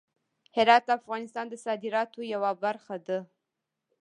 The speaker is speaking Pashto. هرات د افغانستان د صادراتو یوه برخه ده.